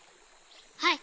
はい。